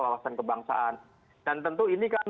wawasan kebangsaan dan tentu ini kan